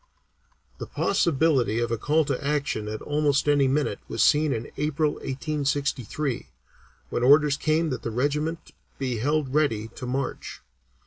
The possibility of a call to action at almost any minute was seen in April, 1863, when orders came that the regiment be held ready to march.